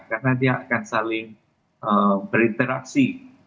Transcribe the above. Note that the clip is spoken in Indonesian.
karena dia akan saling berinteraksi